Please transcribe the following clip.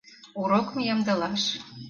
Урокым ямдылаш: